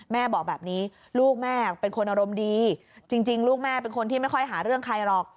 แม่บอกแบบนี้ลูกแม่เป็นคนอารมณ์ดีจริงลูกแม่เป็นคนที่ไม่ค่อยหาเรื่องใครหรอก